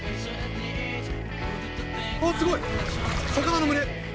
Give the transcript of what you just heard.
あー、すごい、魚の群れ。